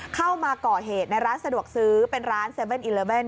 เข้ามาก่อเหตุในร้านสะดวกซื้อเป็นร้านเซเว่นอีเลิเว่น